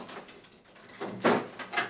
suruh mereka semua bubar